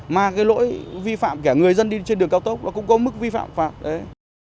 mà cái lỗi vi phạm kẻ người dân đi trên đường cao tốc nó cũng có mức vi phạm phạt đấy